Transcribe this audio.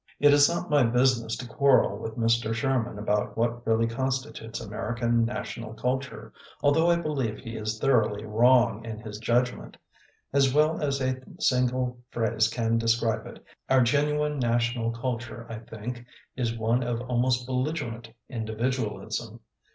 It is not my business to quarrel with Mr. Sherman about what really consti tutes American national culture, al though I believe he is thoroughly wrong in his judgment. As well as a single phrase can describe it, our genu ine national culture, I think, is one of almost belligerent individualism.